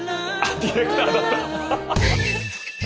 ディレクターだったハハハハ。